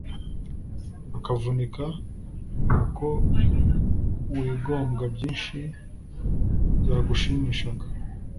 ukavunika ni uko wigombwa byinshi byagushimishaga